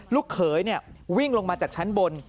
ลูกเขยวิ่งลงมาจากชั้นบน